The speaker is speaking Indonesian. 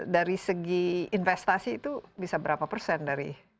dari segi investasi itu bisa berapa persen dari